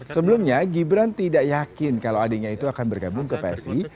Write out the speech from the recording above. sebelumnya gibran tidak yakin kalau adiknya itu akan bergabung ke psi